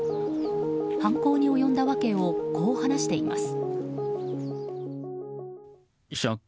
犯行に及んだ訳をこう話しています。